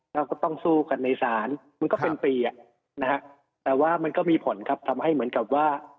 เราก็ต้องสู้กันในศาลมันก็เป็นปีอ่ะนะฮะแต่ว่ามันก็มีผลครับทำให้เหมือนกับว่า